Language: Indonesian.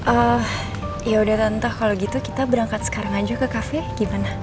eh yaudah tante kalau gitu kita berangkat sekarang aja ke kafe gimana